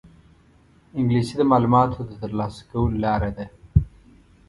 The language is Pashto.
انګلیسي د معلوماتو د ترلاسه کولو لاره ده